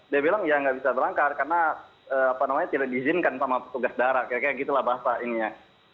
dia bilang ya nggak bisa berangkat karena tidak diizinkan sama petugas darah kayak gitu lah bahasa ininya